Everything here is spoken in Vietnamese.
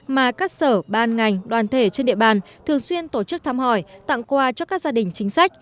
mà các sở ban ngành đoàn thể trên địa bàn thường xuyên tổ chức thăm hỏi tặng quà cho các gia đình chính sách